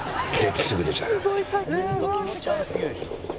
「コメント気持ち悪すぎるでしょ」